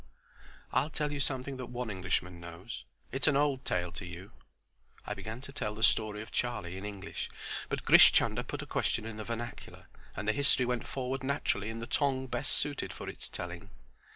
"I'll tell you something that one Englishman knows. It's an old tale to you." I began to tell the story of Charlie in English, but Grish Chunder put a question in the vernacular, and the history went forward naturally in the tongue best suited for its telling.